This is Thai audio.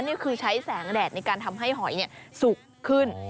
นี่คือใช้แสงแดดในการทำให้หอยสุกขึ้น